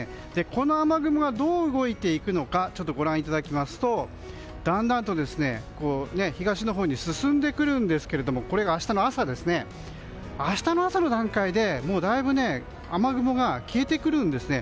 この雨雲が、どう動いていくのかご覧いただきますとだんだんと東に進んでくるんですが明日の朝の段階でだいぶ雨雲が消えてくるんですね。